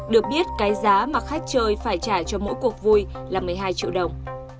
được biết cái giá mà khách chơi phải trả cho mỗi cuộc vui là một mươi hai triệu đồng